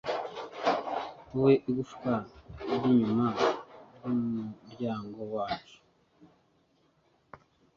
wowe igufwa ryinyuma ryumuryango wacu